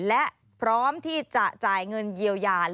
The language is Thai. และพร้อมที่จะจ่ายเงินเยียวยา